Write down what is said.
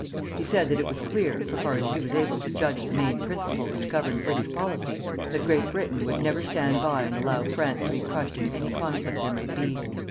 He said that it was clear, so far as he was able to judge the main principle which governed British policy, that Great Britain would never stand by and allow France to be crushed in any conflict there might be.